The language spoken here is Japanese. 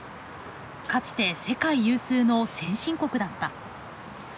かつて世界有数の先進国だった。